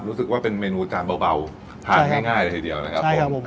รู้สึกว่าเป็นเมนูจานเบาเบาใช่ครับผ่านให้ง่ายได้ทีเดียวนะครับใช่ครับผม